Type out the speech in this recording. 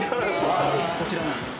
こちらなんです。